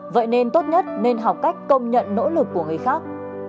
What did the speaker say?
vậy nên tốt nhất nên học cách công nhận nỗ lực của người khác